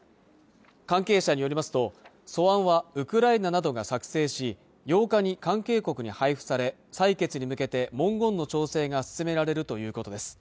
関係者によりますと素案はウクライナなどが作成し８日に関係国に配布され採決に向けて文言の調整が進められるということです